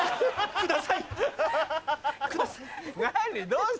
ください！